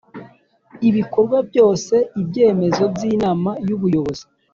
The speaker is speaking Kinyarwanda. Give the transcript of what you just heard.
ibikorwa byose ibyemezo by Inama y Ubuyobozi